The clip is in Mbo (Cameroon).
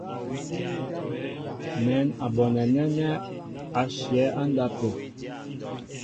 Mɛ̌n a bonɛ nɛ́nɛ́ á shyɛ̌ á ndápə̂.